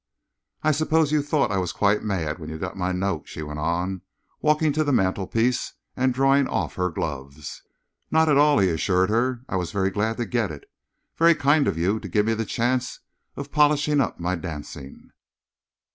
"I suppose you thought I was quite mad when you got my note," she went on, walking to the mantelpiece and drawing off her gloves. "Not at all," he assured her. "I was very glad to get it. Very kind of you to give me the chance of polishing up my dancing."